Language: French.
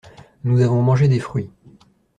Nous avons mangé des fruits.